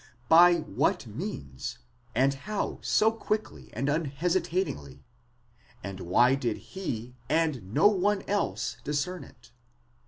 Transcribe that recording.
By what means? and how so quickly and: unhesitatingly ? and why did he and no one else discern it?